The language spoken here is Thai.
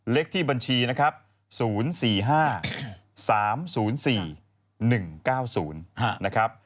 เลขที่บัญชีนะครับ๐๔๕๓๐๔๑๙๐นะครับ